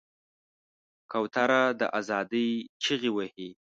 کوتره د آزادۍ چیغې وهي.